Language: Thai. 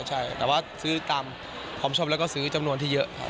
ใช่แต่ว่าซื้อตามความชอบแล้วก็ซื้อจำนวนที่เยอะครับ